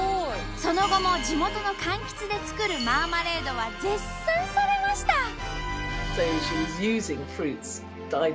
その後も地元のかんきつで作るマーマレードは絶賛されました。